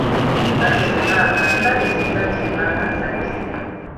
Nsanyuse maama nsanyuse nsanyuse maama nsanyuse